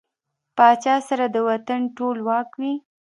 پاچا سره د وطن ټول واک وي .